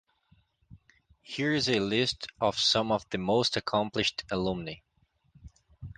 Here is a list of some of the most accomplished alumni.